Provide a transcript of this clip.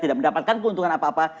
tidak mendapatkan keuntungan apa apa